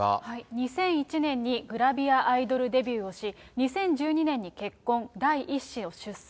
２００１年にグラビアアイドルデビューをし、２０１２年に結婚、第１子を出産。